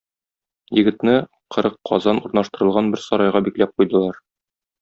Егетне кырык казан урнаштырылган бер сарайга бикләп куйдылар.